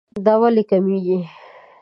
دا ولې کميږي